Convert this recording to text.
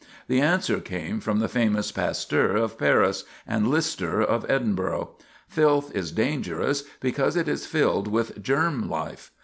The answer came from the famous Pasteur of Paris, and Lister of Edinburgh. "Filth is dangerous, because it is filled with germ life.